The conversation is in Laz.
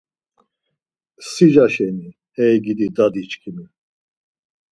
Sicaşeni, ey gidi, dadiçkimi